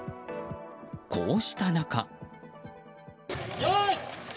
こうした中。